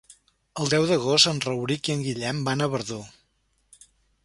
El deu d'agost en Rauric i en Guillem van a Verdú.